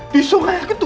di sungai aku tuh